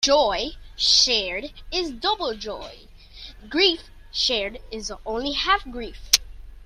Joy shared is double joy; grief shared is only half grief.